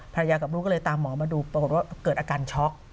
กับลูกก็เลยตามหมอมาดูปรากฏว่าเกิดอาการช็อก